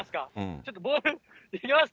ちょっとボール見えます？